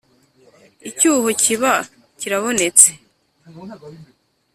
icyuho kiba kirabonetse,